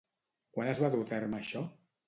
Quan es va dur a terme això?